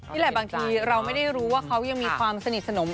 นี่แหละบางทีเราไม่ได้รู้ว่าเขายังมีความสนิทสนม